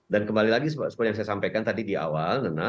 dan kembali lagi seperti yang saya sampaikan tadi di awal